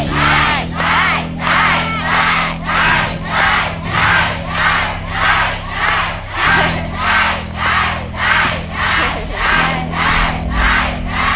ได้หรือไม่ได้